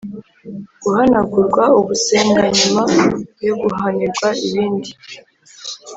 Guhanagurwa ubusembwa nyuma yo guhanirwa ibindi